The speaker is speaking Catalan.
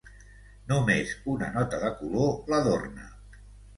Només una nota de color l'adorna.